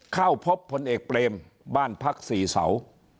เข้าพบพลเอกเปรมบ้านพักสี่เสา